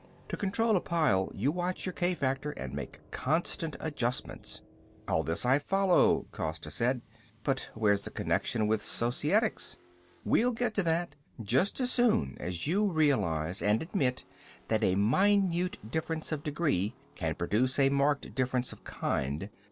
To control a pile you watch your k factor and make constant adjustments." "All this I follow," Costa said, "but where's the connection with Societics?" "We'll get to that just as soon as you realize and admit that a minute difference of degree can produce a marked difference of kind.